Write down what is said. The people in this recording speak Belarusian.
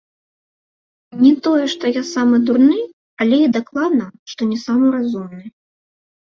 Не тое, што я самы дурны, але і дакладна, што не самы разумны.